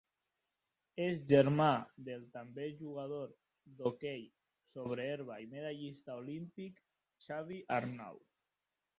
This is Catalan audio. És germà del també jugador d'hoquei sobre herba i medallista olímpic Xavi Arnau.